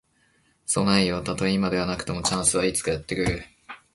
備えよ。たとえ今ではなくとも、チャンスはいつかやって来る。